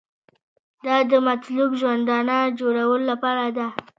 دا د مطلوب ژوندانه جوړولو لپاره ده.